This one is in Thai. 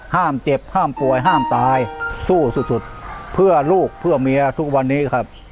เจ็บห้ามป่วยห้ามตายสู้สุดสุดเพื่อลูกเพื่อเมียทุกวันนี้ครับ